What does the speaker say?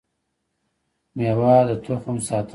میوه د تخم ساتنه کوي